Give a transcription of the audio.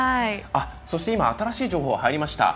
今、新しい情報が入りました。